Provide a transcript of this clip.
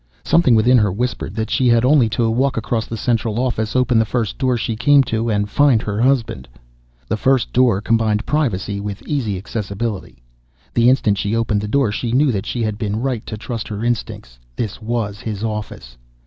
Something within her whispered that she had only to walk across the central office, open the first door she came to to find her husband ... The first door combined privacy with easy accessibility. The instant she opened the door she knew that she had been right to trust her instincts. This was his office